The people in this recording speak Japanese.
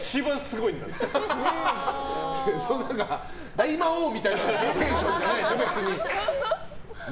大魔王みたいなテンションじゃないでしょ、別に。